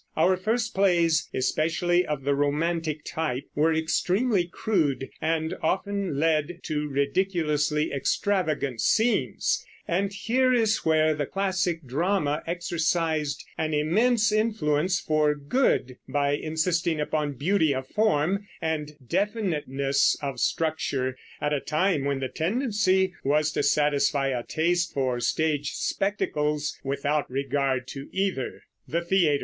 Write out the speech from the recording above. Our first plays, especially of the romantic type, were extremely crude and often led to ridiculously extravagant scenes; and here is where the classic drama exercised an immense influence for good, by insisting upon beauty of form and definiteness of structure at a time when the tendency was to satisfy a taste for stage spectacles without regard to either.